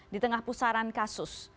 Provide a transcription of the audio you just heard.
di tengah pusaran kasus